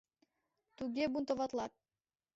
— Туге, бунтоватлат.